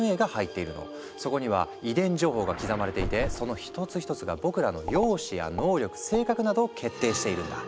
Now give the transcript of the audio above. そこには遺伝情報が刻まれていてその１つ１つが僕らの容姿や能力性格などを決定しているんだ。